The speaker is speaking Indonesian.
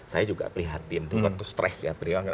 saya juga prihatin waktu stress